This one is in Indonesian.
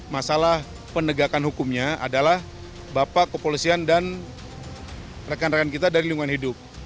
masalah penegakan hukumnya adalah bapak kepolisian dan rekan rekan kita dari lingkungan hidup